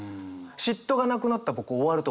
嫉妬がなくなったら僕終わると思うんですよ。